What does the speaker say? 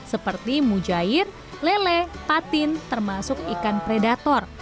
seperti mujair lele patin termasuk ikan predator